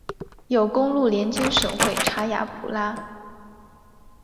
有公路连接省会查亚普拉。